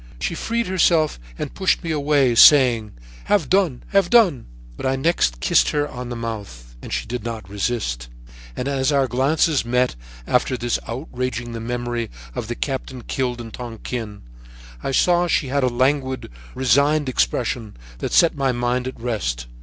"She freed herself and pushed me away, saying: "'Have done, have done.' "But I next kissed her on the mouth and she did not resist, and as our glances met after thus outraging the memory of the captain killed in Tonquin, I saw that she had a languid, resigned expression that set my mind at rest.